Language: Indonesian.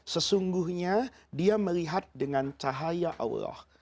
sesungguhnya dia melihat dengan cahaya allah